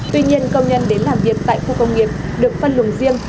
tuy nhiên công nhân đến làm việc tại khu công nghiệp được phân luồng riêng